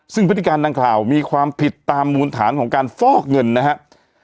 ซึ่งพฤติการดังกล่าวมีความผิดตามมูลฐานของการฟอกเงินนะครับ